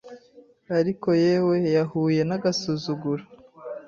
Ariko yewe yahuye nagasuzuguro